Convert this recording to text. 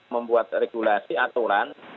membuat regulasi aturan